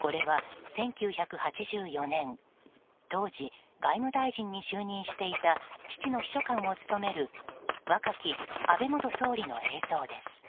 これは１９８４年当時、外務大臣に就任していた父の秘書官を務める若き安倍元総理の映像です。